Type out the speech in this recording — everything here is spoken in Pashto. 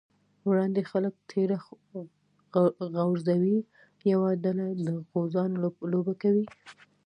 وړاندې خلک تيږه غورځوي، یوه ډله د غوزانو لوبه کوي.